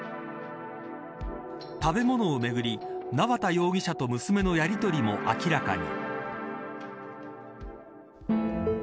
食べ物をめぐり、縄田容疑者と娘のやりとりも明らかに。